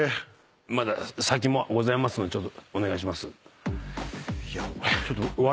まだ先もございますのでお願いします。